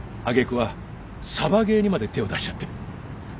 揚げ句はサバゲーにまで手を出しちゃって。